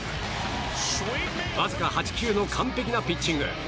わずか８球の完璧なピッチング。